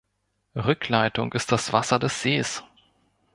Rückleitung ist das Wasser des Sees.